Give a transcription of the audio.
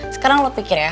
sekarang lo pikir ya